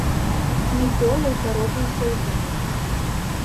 Мікола ўтаропіўся ў зал.